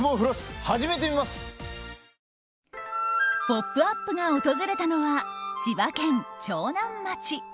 「ポップＵＰ！」が訪れたのは千葉県長南町。